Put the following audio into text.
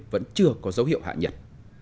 vẫn chưa có dấu hiệu hạ nhật